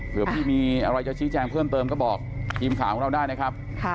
เพื่อพี่มีอะไรจะชี้แจงเพิ่มเติมก็บอกทีมข่าวของเราได้นะครับ